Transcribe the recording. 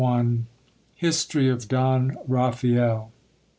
— History of Don Raphael.